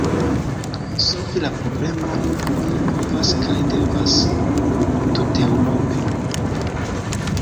Solvi la problemon oni povas kaj devas tuteŭrope.